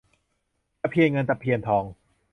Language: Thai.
ตะเพียนเงินตะเพียนทอง